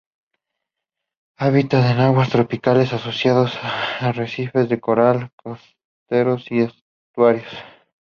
Habitan en aguas tropicales, asociados a arrecifes de coral costeros y estuarios.